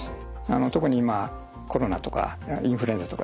特に今はコロナとかインフルエンザとかですね